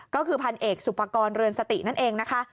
ก็คือพันเอกสุปกรณ์เรือนสตินั่นเองนะคะ